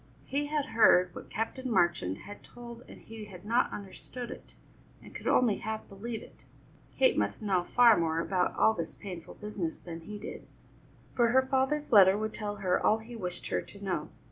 He had heard what Captain Marchand had told and he had not understood it, and could only half believe it. Kate must know far more about all this painful business than he did, for her father's letter would tell her all he wished her to know.